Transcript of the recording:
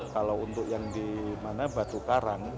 kalau untuk yang di mana batu karang